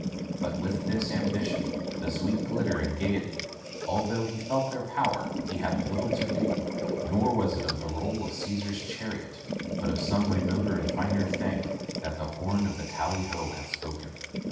But with this ambition, the sweet glitter and gayety, al though he felt their power, he had little to do, nor was it of the roll of Caesar's chariot, but of some remoter and finer thing, that the horn of the tally ho had spoken.